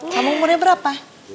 kamu umurnya berapa